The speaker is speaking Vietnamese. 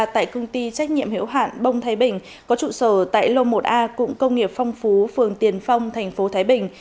tại công ty trách nhiệm hiệu hạn bông thái bình có trụ sở tại lô một a cụng công nghiệp phong phú phường tiền phong thành phố thái bình